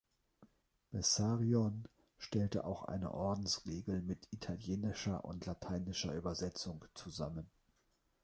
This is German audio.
Bessarion stellte auch eine Ordensregel mit italienischer und lateinischer Übersetzung zusammen.